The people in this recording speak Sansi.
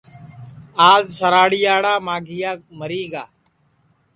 آج سراڑیاڑا ماگھیا مری گا